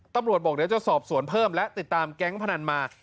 ตำรวจบอกเดี๋ยวจะสอบสวนเพิ่มและติดตามแก๊งพนันมา